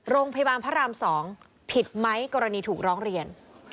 พระราม๒ผิดไหมกรณีถูกร้องเรียน